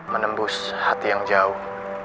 menembus hati yang jauh